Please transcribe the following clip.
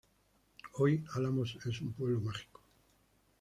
Hoy Álamos es un pueblo mágico.